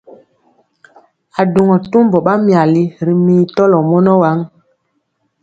A duŋɔ tumbɔ ɓa myali ri mii tɔlɔ mɔnɔ waŋ.